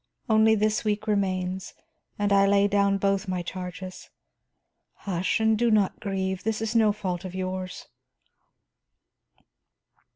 Only this week remains, and I lay down both my charges. Hush, and do not grieve; this is no fault of yours."